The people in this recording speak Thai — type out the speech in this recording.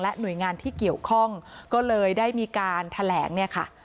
หน่วยงานที่เกี่ยวข้องก็เลยได้มีการแถลงเนี่ยค่ะ